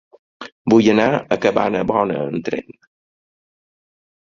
Vull anar a Cabanabona amb tren.